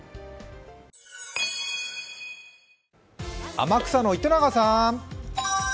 天草の糸永さーん。